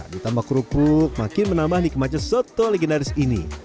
ditambah kerupuk makin menambah nikmatnya soto legendaris ini